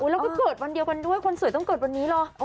แล้วก็เกิดวันเดียวกันด้วยคนสวยต้องเกิดวันนี้เหรอ